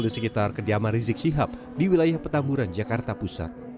di sekitar kediaman rizik syihab di wilayah petamburan jakarta pusat